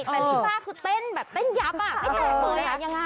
แต่ลิซ่าคือเต้นแบบเต้นยับอ่ะไม่แตกเลย